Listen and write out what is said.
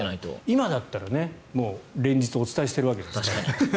今だったら、連日お伝えしているわけですから。